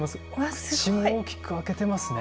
口を大きく開けてますね。